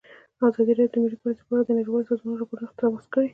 ازادي راډیو د مالي پالیسي په اړه د نړیوالو سازمانونو راپورونه اقتباس کړي.